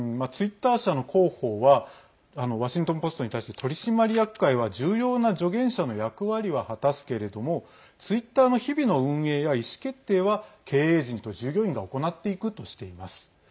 ツイッター社の広報はワシントン・ポストに対して取締役会は重要な助言者の役割は果たすけれどもツイッターの日々の運営や意思決定は経営陣と従業員が行っていくとしています。